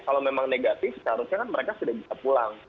kalau memang negatif seharusnya kan mereka sudah bisa pulang